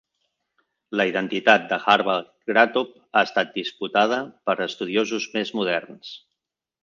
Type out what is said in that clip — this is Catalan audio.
La identitat de Hallvard Graatop ha estat disputada per estudiosos més moderns.